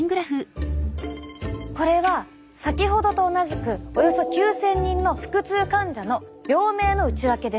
これは先ほどと同じくおよそ９，０００人の腹痛患者の病名の内訳です。